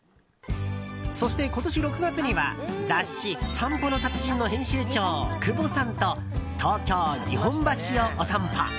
そして今年６月には雑誌「散歩の達人」の編集長久保さんと東京・日本橋をお散歩。